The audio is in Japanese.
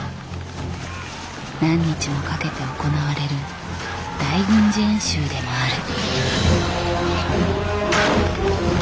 何日もかけて行われる大軍事演習でもある。